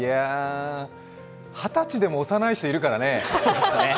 二十歳でもおさない人いるからね。